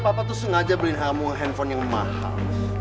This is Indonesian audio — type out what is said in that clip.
karena papa tuh sengaja beliin kamu handphone yang mahal